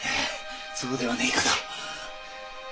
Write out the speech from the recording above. そうではねえかと。